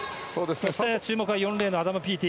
そして注目は４レーンのアダム・ピーティ。